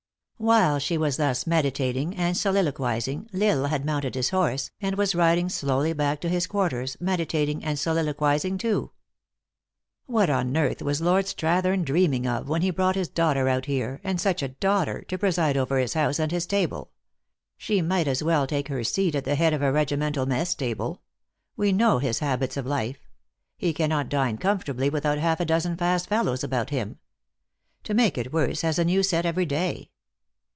While she was thus meditating and soliloquizing, L Isle had mounted his horse, and was riding slowly back to his quarters, meditating and soliloquizing, too. " What on earth was Lord Strathern dreaming of, when he brought his daughter out here and such a daughter to preside over his house and his table? She might as well take her seat at the head of a regi mental mess table. We know his habits of life. He cannot dine comfortably without half a dozen fast fellows about him. To make it worse, has a new set every day.